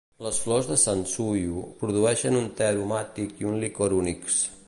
Les flors de Sansuyu produeixen un te aromàtic i un licor únics.